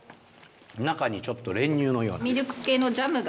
中にちょっと練乳のような。